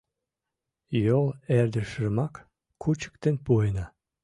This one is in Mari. Йол эрдыжымак кучыктен пуэна.